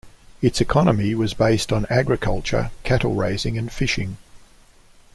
Its economy was based on agriculture, cattle raising, and fishing.